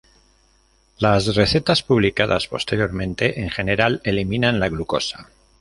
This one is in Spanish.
Las recetas publicadas posteriormente en general eliminan la glucosa.